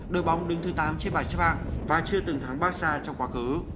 đội bóng đứng thứ tám trên bảng xếp hạng và chưa từng thắng bassage trong quá khứ